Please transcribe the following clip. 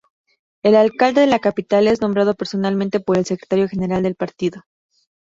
El alcalde de la capital es nombrado personalmente por el Secretario General del Partido.